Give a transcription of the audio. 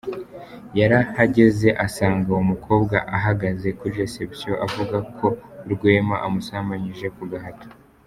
Yarahageze asanga uwo mukobwa ahagaze kuri reception avuga ko Rwema amusambanyije ku gahato.